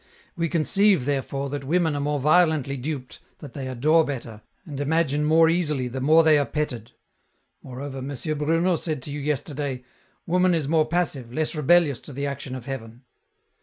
" We conceive, therefore, that women are more violently duped, that they adore better, and imagine more easily the more they are petted. Moreover, M. Bruno said to you yesterday, ' Woman is more passive, less rebellious to the action of Heaven